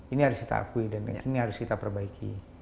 ini harus kita akui dan ini harus kita perbaiki